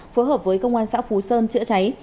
phối hợp với công an xã phú sơn chữa cháy